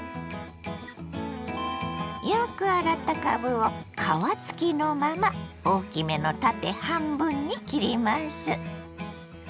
よく洗ったかぶを皮付きのまま大きめの縦半分に切ります。